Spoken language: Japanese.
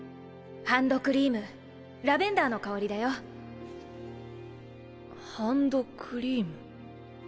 ハンドクリームラベンダーの香りだよはんどくりいむ！？